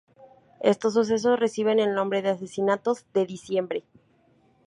Estos sucesos reciben el nombre de Asesinatos de Diciembre.